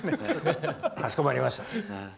かしこまりました。